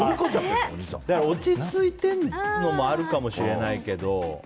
落ち着いてるのもあるのかもしれないけど。